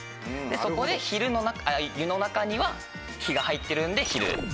そこで「湯」の中には「日」が入ってるんで「昼」。